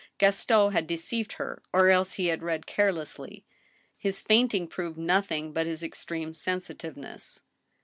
Gaston had de ceived her, or else he had read carelessly. His fainting proved noth ing but his extreme sensitiveness.